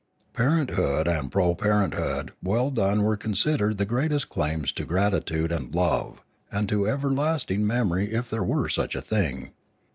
Parent hood and proparenthood well done were considered the greatest claims to gratitude and love, and to everlasting memory if there were such a thing.